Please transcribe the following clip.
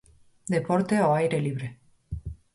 Deporte ao aire libre.